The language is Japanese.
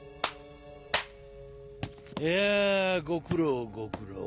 いやぁご苦労ご苦労。